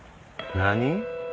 何？